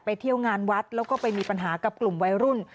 เที่ยวงานวัดแล้วก็ไปมีปัญหากับกลุ่มวัยรุ่น